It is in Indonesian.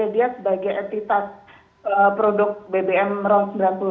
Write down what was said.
dia sebagai entitas produk bbm ron sembilan puluh lima